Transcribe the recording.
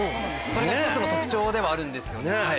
それが１つの特徴ではあるんです。